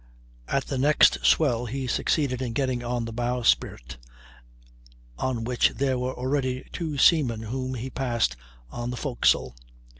At the next swell he succeeded in getting on the bowsprit, on which there were already two seamen whom he passed on the forecastle.